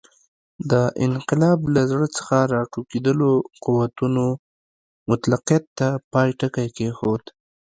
د انقلاب له زړه څخه راټوکېدلو قوتونو مطلقیت ته پای ټکی کېښود.